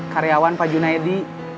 karyawan pak juna ya di